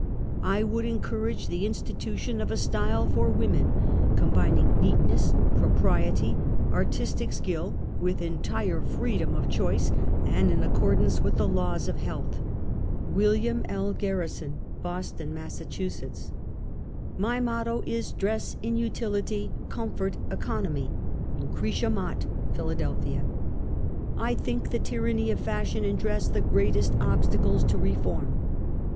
I would encour age the institution of a style for women, combining neatness, propriety, artistic skill, with entire freedom of choice and in accordance with the laws of health. William L. Garrison, Boston^ Mass. SOCIAL EVIL. 99 "My motto in dress is Utility, Comfort, Economy."' LUCRETIA MOTT, Philadelphia. I think the tyranny of fashion in dress the great est obstacles to reform.